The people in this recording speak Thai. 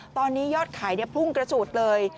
ตอนนี้ยอดขายพุ่งกระจูดเลย